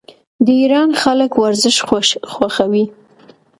د ایران خلک ورزش خوښوي.